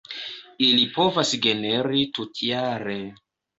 Ili povas generi tutjare.